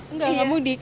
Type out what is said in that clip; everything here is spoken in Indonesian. enggak gak mudik